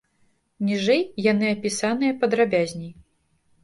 Ніжэй яны апісаныя падрабязней.